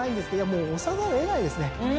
もう推さざるを得ないですね。